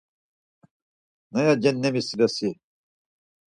Naya cenemis re si?